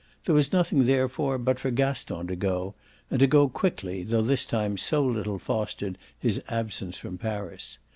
There was nothing therefore but for Gaston to go, and go quickly, though the time so little fostered his absence from Paris.